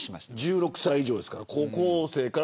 １６歳以上、高校生から。